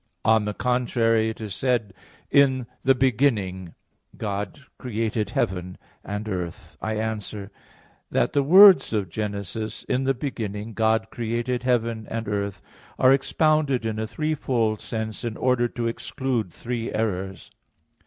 On the contrary, It is said (Gen. 1:1): "In the beginning God created heaven and earth." I answer that, The words of Genesis, "In the beginning God created heaven and earth," are expounded in a threefold sense in order to exclude three errors.